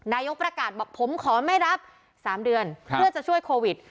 นายกประกาศบอกผมขอไม่รับ๓เดือนเพื่อจะช่วยโควิด